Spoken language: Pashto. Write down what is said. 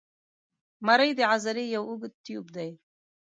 مرۍ د عضلې یو اوږد تیوب دی.